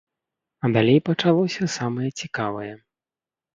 А далей пачалося самае цікавае.